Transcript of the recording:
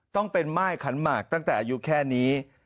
ต้องเป็นม่ายขันหมากตั้งแต่อายุแค่นี้